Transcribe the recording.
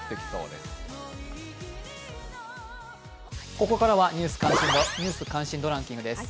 ここからは「ニュース関心度ランキング」です。